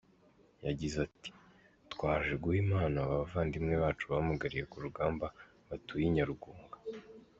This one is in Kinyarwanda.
Yagize ati “Twaje guha impano aba bavandimwe bacu bamugariye ku rugamba batuye i Nyarugunga.